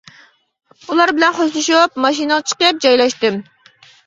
ئۇلار بىلەن خوشلىشىپ ماشىنىغا چىقىپ جايلاشتىم.